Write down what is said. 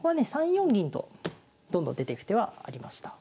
３四銀とどんどん出てく手はありました。